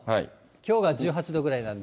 きょうが１８度ぐらいなんで。